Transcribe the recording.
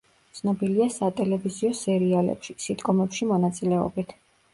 ცნობილია სატელევიზიო სერიალებში, სიტკომებში მონაწილეობით.